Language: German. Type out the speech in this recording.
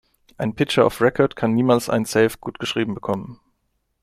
Ein Pitcher of Record kann niemals ein Save gutgeschrieben bekommen.